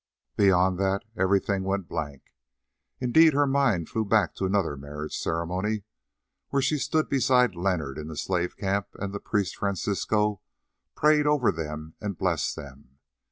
Beyond that everything went blank. Indeed, her mind flew back to another marriage ceremony, when she stood beside Leonard in the slave camp, and the priest, Francisco, prayed over them and blessed them.